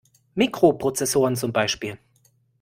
Mikroprozessoren zum Beispiel.